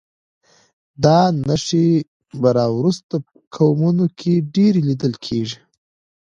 دا نښې په راوروسته قومونو کې ډېرې لیدل کېږي.